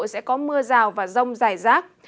sẽ có mưa rào và rông dài rác